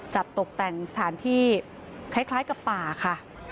ตกแต่งสถานที่คล้ายกับป่าค่ะ